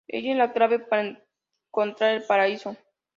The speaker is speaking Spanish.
Ella es la clave para encontrar el Paraíso.